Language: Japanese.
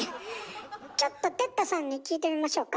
ちょっと哲太さんに聞いてみましょうか？